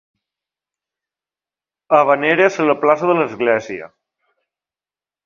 Havaneres a la plaça de l'església.